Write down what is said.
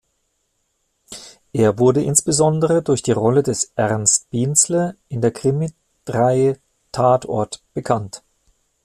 Er wurde insbesondere durch die Rolle des Ernst Bienzle in der Krimireihe "Tatort" bekannt.